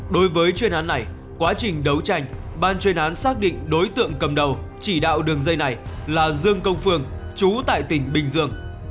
đối với chuyên án này quá trình đấu tranh ban chuyên án xác định đối tượng cầm đầu chỉ đạo đường dây này là dương công phương chú tại tỉnh bình dương